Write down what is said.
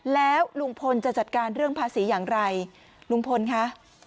แล้วลุงพลจะจัดการเรื่องภาษีอย่างไรลุงพลคะ